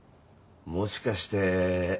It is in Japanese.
もしかして。